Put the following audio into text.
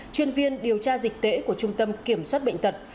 chuyên viên điều tra dịch tễ của trung tâm kiểm soát bệnh tật